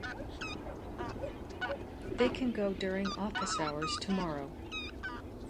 They can go during office hours tomorrow.